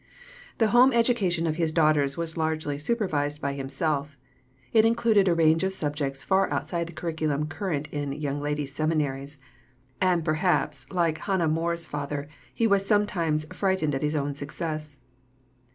The home education of his daughters was largely supervised by himself; it included a range of subjects far outside the curriculum current in "young ladies' seminaries"; and perhaps, like Hannah More's father, he was sometimes "frightened at his own success."